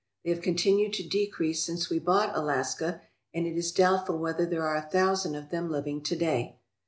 They have continued to decrease since we bought Alaska, and it is doubtful whether there are a thousand of them living to day.